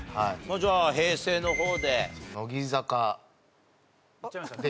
じゃあ平成の方で。